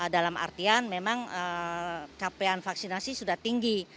dalam artian memang capaian vaksinasi sudah tinggi